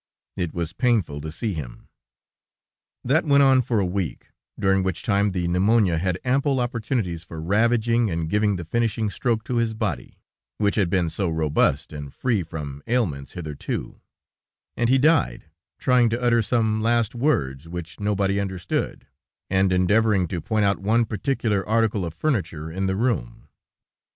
It was painful to see him." "That went on for a week, during which time the pneumonia had ample opportunities for ravaging and giving the finishing stroke to his body, which had been so robust and free from ailments hitherto, and he died, trying to utter some last words which nobody understood, and endeavoring to point out one particular article of furniture in the room."